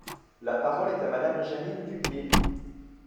La parole est à Madame Jeanine Dubié.